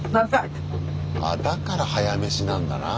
あだから早飯なんだなぁ。